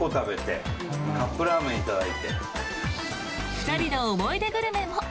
２人の思い出グルメも。